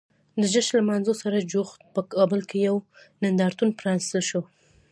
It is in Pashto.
د جشن لمانځلو سره جوخت په کابل کې یو نندارتون پرانیستل شو.